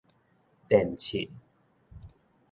電秤